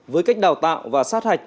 với cách đào tạo và sát hạch